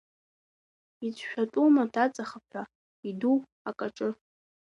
Ицәшәатәума даҵахап ҳәа, иду акаҿы.